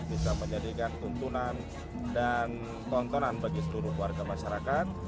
bisa menjadikan tuntunan dan tontonan bagi seluruh warga masyarakat